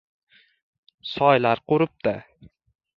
soylar quribdi